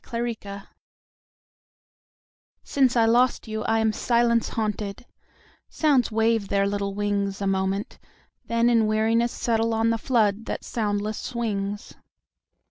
Silence SINCE I lost you I am silence haunted, Sounds wave their little wingsA moment, then in weariness settleOn the flood that soundless swings.